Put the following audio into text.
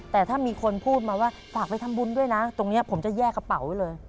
แต่ถ้ามีคนพูดมาว่าฝากไปทำบุญด้วยนะตรงนี้ผมจะแยกกระเป๋าไว้เลย